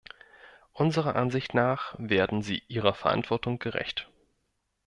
Unserer Ansicht nach werden sie ihrer Verantwortung gerecht.